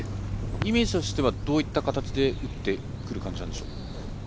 イメージとしてはどういった形で打ってくる感じなんでしょう。